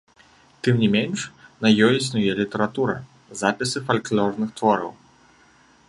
Тым не менш, на ёй існуе літаратура, запісы фальклорных твораў.